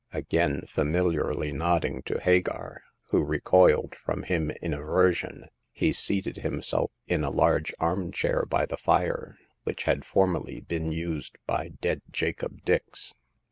Again familiarily nodding to Hagar, who recoiled from him in aversion, he seated himself in a large armchair by the fire, which had formerly been used by dead Jacob Dix.